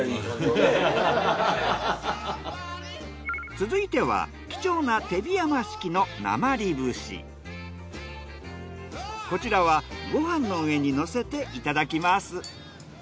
続いては貴重なこちらはご飯の上にのせていただきます。